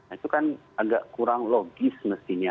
itu kan agak kurang logis mestinya